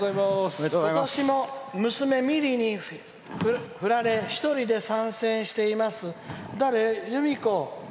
今年も娘に振られ一人で参戦しています」。